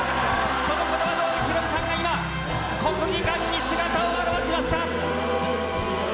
そのことばどおり、ヒロミさんが今、国技館に姿を現しました。